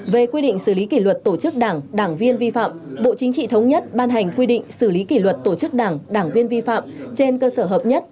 về quy định xử lý kỷ luật tổ chức đảng đảng viên vi phạm bộ chính trị thống nhất ban hành quy định xử lý kỷ luật tổ chức đảng đảng viên vi phạm trên cơ sở hợp nhất